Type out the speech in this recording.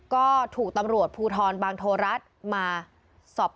ก็ถูกตำรวจภูทรบางโทรัฐมาสอบ